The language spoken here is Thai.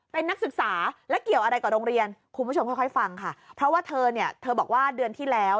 เป็นนักศึกษาและเกี่ยวอะไรกับโรงเรียนคุณผู้ชมค่อยค่อยฟังค่ะเพราะว่าเธอเนี่ยเธอบอกว่าเดือนที่แล้ว